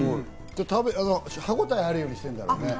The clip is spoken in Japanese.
歯ごたえがあるようにしてるんだろうね。